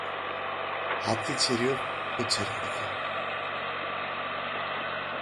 हाथी छिर्यो पुच्छर अड्क्यो